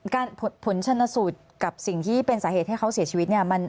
ผลชนสูตรกับสิ่งที่เป็นสาเหตุให้เขาเสียชีวิตเนี่ย